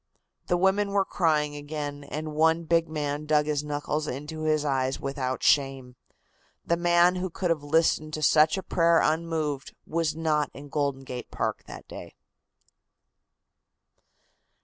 The women were crying again, and one big man dug his knuckles into his eyes without shame. The man who could have listened to such a prayer unmoved was not in Golden Gate Park that day.